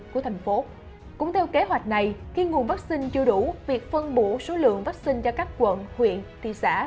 cũng theo kế hoạch này khi nguồn vaccine chưa đủ việc phân bủ số lượng vaccine cho các quận huyện thị xã